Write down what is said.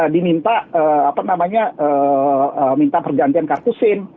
diminta apa namanya minta pergantian kartu sim